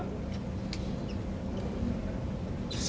satu atas nama sadikin warga negara indonesia